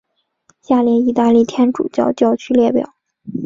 下列意大利天主教教区列表。